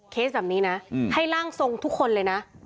แบบนี้นะให้ร่างทรงทุกคนเลยนะ